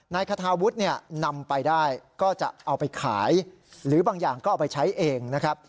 นายคาทาวุฒิเนี่ยนำไปได้ก็จะเอาไปขายหรือบางอย่างก็เอาไปใช้เองนะครับ